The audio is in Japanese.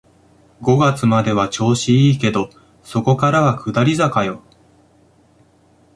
五月までは調子いいけど、そこからは下り坂よ